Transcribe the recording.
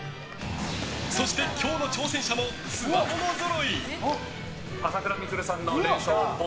そして今日の挑戦者もつわものぞろい。